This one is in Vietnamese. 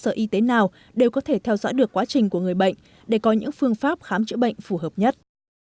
cơ sở y tế nào đều có thể theo dõi được quá trình của người bệnh để có những phương pháp khám chữa bệnh phù hợp nhất